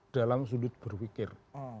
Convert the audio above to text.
dalam sudut berpikir